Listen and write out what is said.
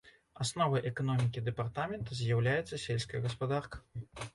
Асновай эканомікі дэпартамента з'яўляецца сельская гаспадарка.